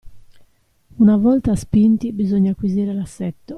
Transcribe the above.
Una volta spinti bisogna acquisire l'assetto.